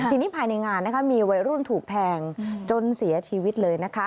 ทีนี้ภายในงานนะคะมีวัยรุ่นถูกแทงจนเสียชีวิตเลยนะคะ